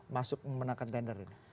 masuk memenangkan tender ini